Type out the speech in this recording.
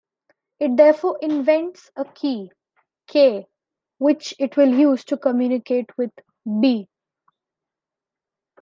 It therefore invents a key, "K", which it will use to communicate with "B".